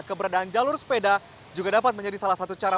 keberadaan jalur sepeda juga dapat menjadi salah satu cara